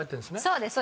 そうです。